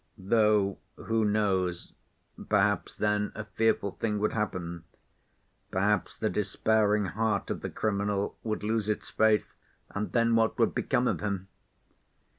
Though, who knows, perhaps then a fearful thing would happen, perhaps the despairing heart of the criminal would lose its faith and then what would become of him?